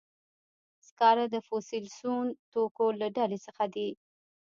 سکاره د فوسیل سون توکو له ډلې څخه دي.